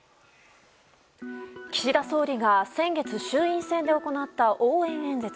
岸田総理が先月衆院選で行った応援演説。